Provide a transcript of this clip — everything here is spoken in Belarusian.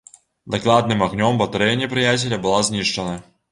Дакладным агнём батарэя непрыяцеля была знішчана.